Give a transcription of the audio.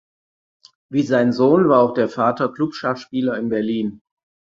Wie sein Sohn war auch der Vater Klubschachspieler in Berlin.